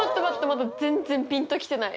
まだ全然ピンと来てない！